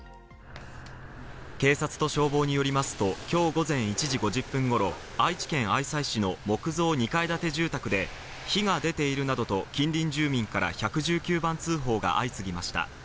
警察と消防によりますと、きょう午前１時５０分頃、愛知県愛西市の木造２階建て住宅で火が出ているなどと近隣住民から１１９番通報が相次ぎました。